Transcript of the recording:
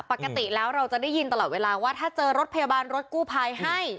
ปกติแล้วเราจะได้ยินตลอดเวลาว่าถ้าเจอรถพยาบาลรถกู้ภัยให้